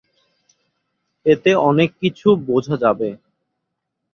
এতে অনেক কিছু বোঝা যাবে।